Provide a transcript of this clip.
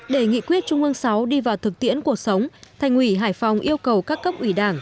để nghị quyết trung ương sáu đi vào thực tiễn cuộc sống thành ủy hải phòng yêu cầu các cấp ủy đảng